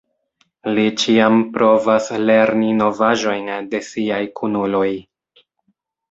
Li ĉiam provas lerni novaĵojn de siaj kunuloj.